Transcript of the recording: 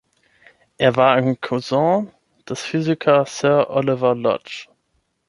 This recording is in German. Er war ein Cousin des Physikers Sir Oliver Lodge.